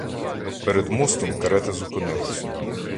Перед мостом карета зупинилася.